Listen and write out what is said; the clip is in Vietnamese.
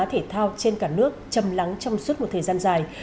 thể thao trên cả nước chầm lắng trong suốt một thời gian dài